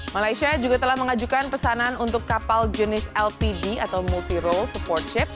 malaysia juga telah mengajukan pesanan untuk kapal jenis lpd atau multi role support ship